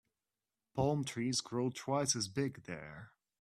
Palm trees grow twice as big there.